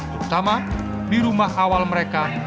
terutama di rumah awal mereka